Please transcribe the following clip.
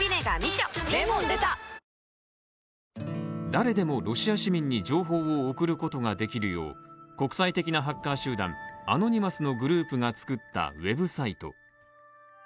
誰でもロシア市民に情報を送ることができるよう、国際的なハッカー集団アノニマスのグループが作ったウェブサイト。